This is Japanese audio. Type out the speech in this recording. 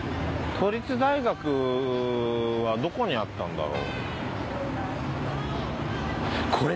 都立大学はどこにあったんだろう？